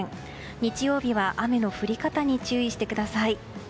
日曜日は雨の降り方に注意してください。